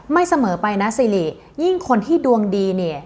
เสมอไปนะสิริยิ่งคนที่ดวงดีเนี่ย